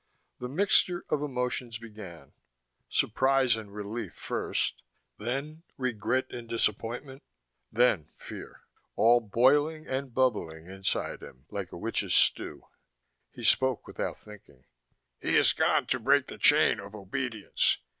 The mixture of emotions began: surprise and relief first, then regret and disappointment, then fear, all boiling and bubbling inside him like a witch's stew. He spoke without thinking: "He is gone to break the chain of obedience.